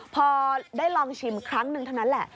พอได้ลองชิมครั้งหนึ่งเท่านั้นแหละ